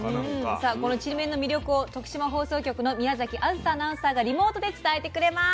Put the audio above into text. さあこのちりめんの魅力を徳島放送局の宮あずさアナウンサーがリモートで伝えてくれます。